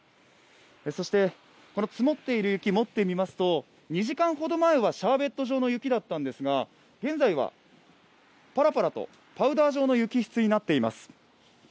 そして、この積もっている雪もってみますと、２時間ほど前はシャーベット状の雪だったんですが、現在はパラパラとパウダー状の雪質になっています。